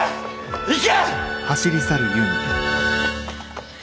行け！